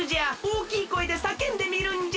おおきいこえでさけんでみるんじゃ。